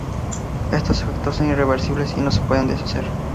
Estos efectos son irreversibles y no se pueden deshacer.